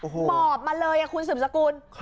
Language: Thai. หมอบมาเลยคุณสืบสกุล